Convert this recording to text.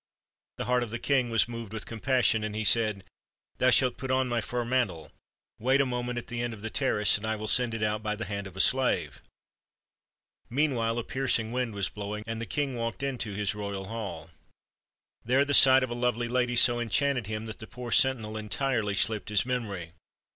The heart of the king was moved with compassion, and he said: "Thou shalt put on my fur mantle. Wait a moment at the end of the terrace, and I will send it out by the hand of a slave." Meanwhile a piercing wind was blowing, and the king walked into his royal hall. There the sight of a lovely lady so enchanted him that the poor sentinel entirely slipped his memory.